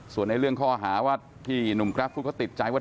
ส่วนในเรื่องข้อหาว่าที่หนุ่มกราฟพูดเขาติดใจว่า